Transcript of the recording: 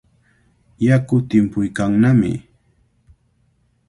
Yaku timpuykannami.